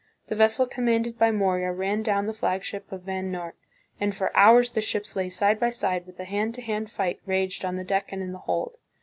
The vessel commanded by Morga ran down the flagship of Van Noort, and for hours the ships lay side by side while a hand to hand fight raged on the deck and in the hold.